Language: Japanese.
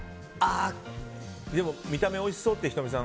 でも見た目おいしそうって仁美さん。